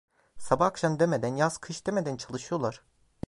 Sabah akşam demeden, yaz kış demeden çalışıyorlar.